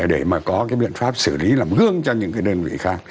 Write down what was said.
để mà có cái biện pháp xử lý làm gương cho những cái đơn vị khác